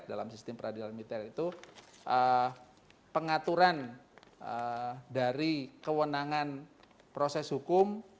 dalam sistem peradilan militer itu pengaturan dari kewenangan proses hukum